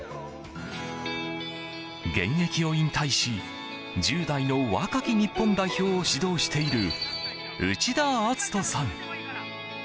現役を引退し１０代の若き日本代表を指導している内田篤人さん。